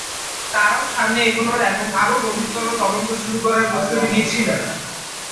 তারাও সামনে এগোনোর এবং আরও গভীরতর তদন্ত শুরু করার প্রস্তুতি নিচ্ছিলেন।